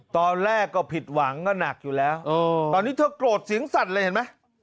ตอนแรกก็ผิดหวังก็หนักอยู่แล้วตอนนี้เธอโกรธเสียงสั่นเลยเห็นไหม